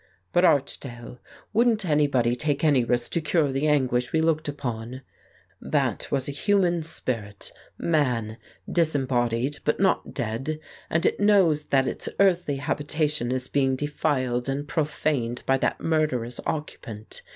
But, Archdale, wouldn't anybody take any risk to cure the anguish we looked upon ? That was a human spirit, man, disembodied but not dead, and it knows that its earthly habitation is being defiled and profaned by that murderous occupant.